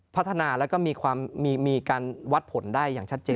พัฒนาแล้วก็มีการวัดผลได้อย่างชัดเจน